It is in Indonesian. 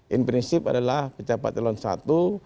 in prinsip adalah pejabat elon satu